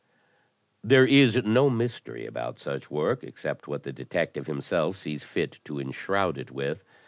"There is no mystery about such work, except what the detective himself sees fit to enshroud it with.